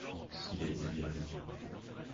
Il a été viré.